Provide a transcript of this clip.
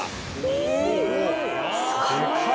すごい。